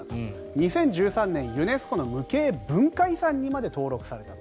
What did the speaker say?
２０１３年ユネスコの無形文化遺産にまで登録されたと。